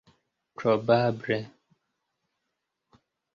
probable